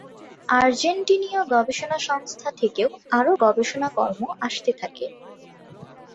আর্জেন্টিনীয় গবেষণা সংস্থা থেকেও আরও গবেষণাকর্ম আসতে থাকে।